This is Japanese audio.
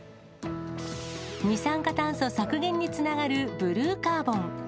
二酸化炭素削減につながるブルーカーボン。